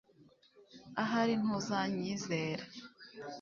Ahari ntuzanyizera